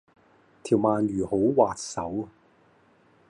條鰻魚好滑手